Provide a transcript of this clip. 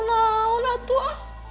nah udah tua